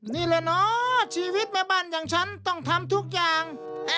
นี่แหละเนาะชีวิตแม่บ้านอย่างฉันต้องทำทุกอย่าง